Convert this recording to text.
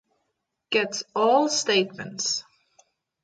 Gets all statements